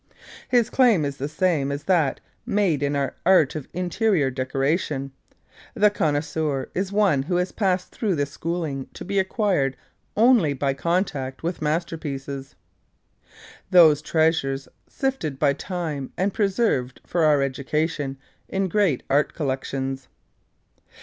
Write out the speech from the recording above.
His claim is the same as that made in our Art of Interior Decoration; the connoisseur is one who has passed through the schooling to be acquired only by contact with masterpieces, those treasures sifted by time and preserved for our education, in great art collections.